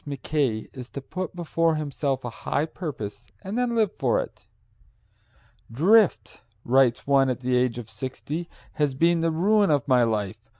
Mackay is to put before himself a high purpose and then live for it. "Drift," writes one at the age of sixty, "has been the ruin of my life.